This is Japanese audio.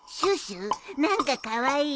何かカワイイ。